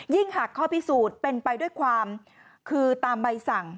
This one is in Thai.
หากข้อพิสูจน์เป็นไปด้วยความคือตามใบสั่ง